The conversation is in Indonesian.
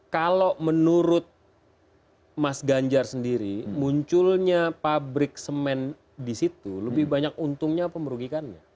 kalau menurut mas ganjar sendiri munculnya pabrik semen di situ lebih banyak untungnya apa merugikannya